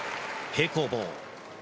平行棒。